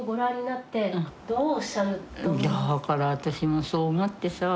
だから私もそう思ってさ。